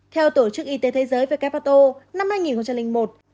theo tổ chức y tế thế giới về kepato năm hai nghìn một